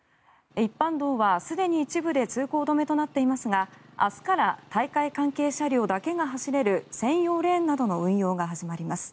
一般道はすでに一部で通行止めとなっていますが明日から大会関係車両だけが走れる専用レーンなどの運用が始まります。